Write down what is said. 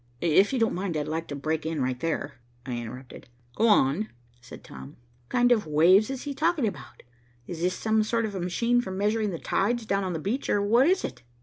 "If you don't mind, I'd like to break in right there," I interrupted. "Go on," said Tom. "What kind of waves is he talking about? Is this some sort of a machine for measuring the tides down on the beach, or what is it?"